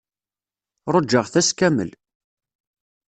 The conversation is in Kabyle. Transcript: Ṛujaɣ-t ass kamel.